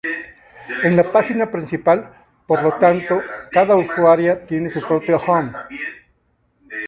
Es la página principal, por lo tanto, cada usuaria tiene su propio "Home".